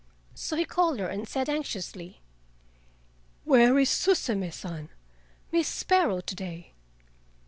So he called her and said anxiously: "Where is Suzume San (Miss Sparrow) today?"